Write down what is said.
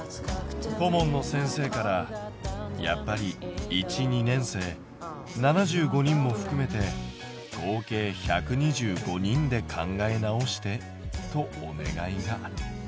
顧問の先生から「やっぱり１２年生７５人もふくめて合計１２５人で考え直して」とお願いが。